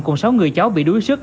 cùng sáu người cháu bị đuối sức